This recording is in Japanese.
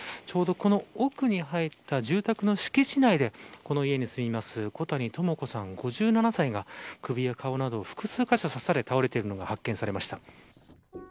ちょうど、この奥に入った住宅の敷地内でこの家に住む小谷朋子さん、５７歳が首や顔など複数カ所刺されて倒れているのが発見されました。